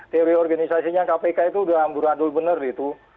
teori organisasinya kpk itu udah amburadul benar gitu